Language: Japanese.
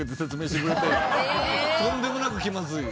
とんでもなく気まずい。